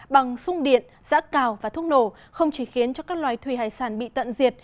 bằng sung điện giã cào và thuốc nổ không chỉ khiến cho các loài thủy hải sản bị tận diệt